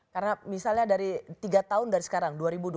karena misalnya dari tiga tahun dari sekarang dua ribu dua puluh empat